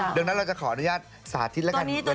ดังนั้นเราจะขออนุญาตสาธิตละกันเวลาทาง